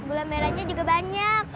bula merahnya juga banyak